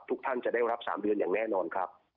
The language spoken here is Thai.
ทุกท่านจะได้รับ๓เดือนอย่างแน่นอนครับ